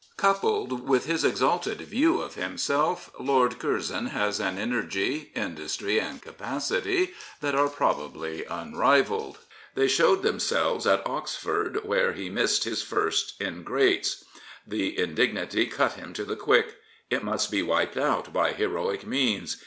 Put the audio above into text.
Coupled with his exalted view of himself, Lord Curzon has an energy, industry, and capacity that are probably unrivalled. They showed themselves at Oxford, where he missed his First in " Greats." The indignity cut him to the quick. It must be wiped out by heroic means.